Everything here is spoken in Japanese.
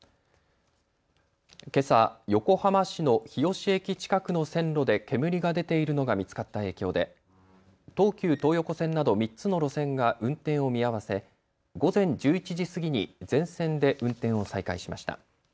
けさ横浜市の日吉駅近くの線路で煙が出ているのが見つかった影響で東急東横線など３つの路線が運転を見合わせ午前１１時過ぎに全線で運転を再開しました。